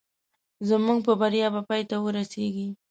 زموږ په بریا به پای ته ورسېږي